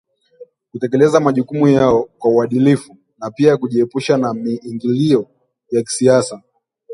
kutekeleza majukumu yao kwa uadilifu na pia kujiepusha na miingilio ya kisiasa